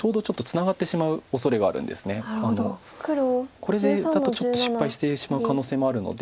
これだとちょっと失敗してしまう可能性もあるので。